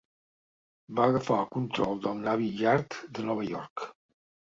Va agafar el control del Navy Yard de Nova York.